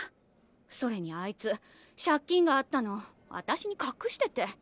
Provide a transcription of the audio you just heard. それにあいつ借金があったの私にかくしてて。